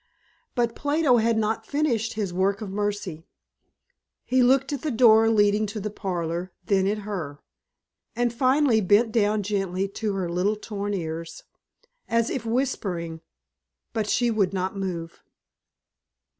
But Plato had not finished his work of mercy. He looked at the door leading to the parlor, then at her; and finally bent down tenderly to her little torn ears, as if whispering, but she would not move.